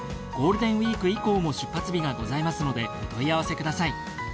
ゴールデンウイーク以降も出発日がございますのでお問い合わせください。